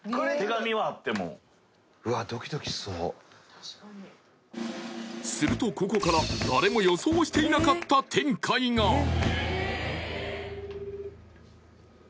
確かにするとここから誰も予想していなかった展開があ